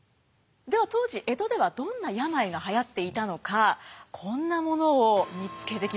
では当時江戸ではどんな病がはやっていたのかこんなものを見つけてきました。